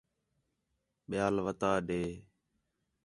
ٻِیال وَتا ݙے